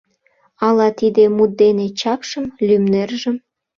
Ала тиде мут дене чапшым, лӱмнержым